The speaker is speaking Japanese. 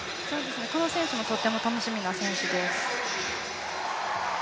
この選手もとっても楽しみな選手です。